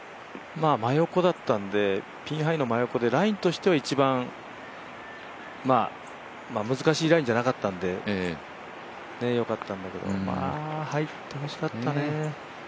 ピンハイの真横だったんでラインとしては一番難しいラインじゃなかったんで、よかったんだけどまあ、入ってほしかったね。